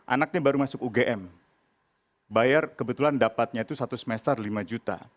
anaknya baru masuk ugm bayar kebetulan dapatnya itu satu semester lima juta